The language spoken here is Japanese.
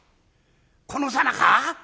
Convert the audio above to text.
このさなか？」。